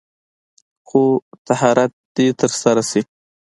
خو طهارت دې تر سره شي.